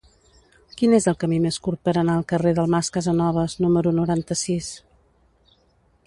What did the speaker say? Quin és el camí més curt per anar al carrer del Mas Casanovas número noranta-sis?